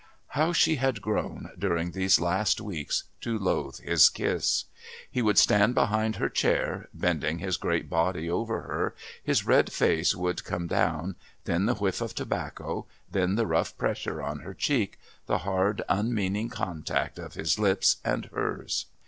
How she had grown, during these last weeks, to loathe his kiss! He would stand behind her chair, bending his great body over her, his red face would come down, then the whiff of tobacco, then the rough pressure on her cheek, the hard, unmeaning contact of his lips and hers.